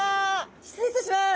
失礼いたします。